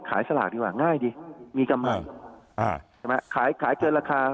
สลากดีกว่าง่ายดีมีกำไรขายขายเกินราคา